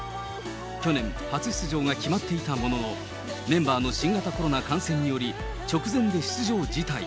去年、初出場が決まっていたものの、メンバーの新型コロナ感染により、直前で出場辞退。